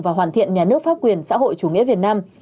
và hoàn thiện nhà nước pháp quyền xã hội chủ nghĩa việt nam